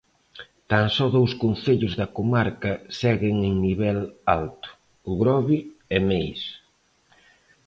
Tan só dous concellos da comarca seguen en nivel alto: O Grove e Meis.